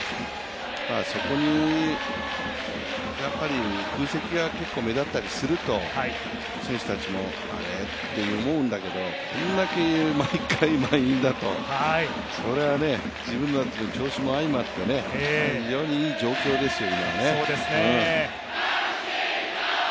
そこに空席が結構目立ったりすると、選手たちもあれって思うんだけど、これだけ毎回、満員だとそれはね、自分の調子も相まって非常にいい状況ですよね、今は。